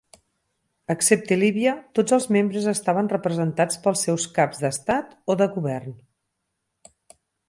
Excepte Líbia, tots els membres estaven representats pels seus caps d'estat o de govern.